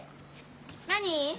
何？